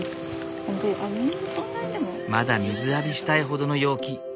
まだ水浴びしたいほどの陽気。